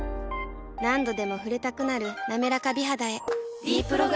何度でも触れたくなる「なめらか美肌」へ「ｄプログラム」